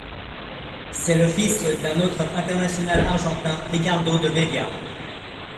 C'est le fils d'un autre international argentin, Ricardo de Vedia.